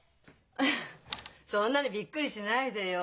フフッそんなにびっくりしないでよ。